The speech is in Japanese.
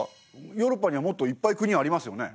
ヨーロッパにはもっといっぱい国ありますよね？